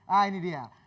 ah ini dia